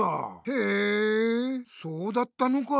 へえそうだったのかあ。